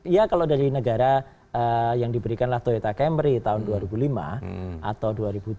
ya kalau dari negara yang diberikanlah toyota camry tahun dua ribu lima atau dua ribu tujuh